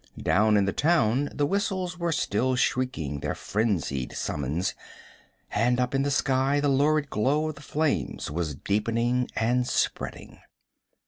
Down in the town the whistles were still shrieking their frenzied summons, and up in the sky the lurid glow of the flames was deepening and spreading.